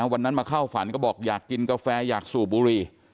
วันนั้นมาเข้าฝันก็บอกอยากกินกาแฟอยากสูบบุรี